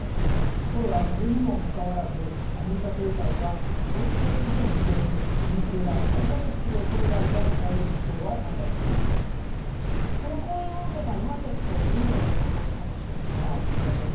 ところがそれにもかかわらず、アメリカ経済は想定以上に強く、インフレが再加速するおそれがあるこの講演を受けたマーケット、こちらです。